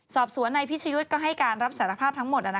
สอบสวนนายพิชยุทธ์ก็ให้การรับสารภาพทั้งหมด